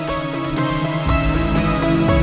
ini apaan sih ini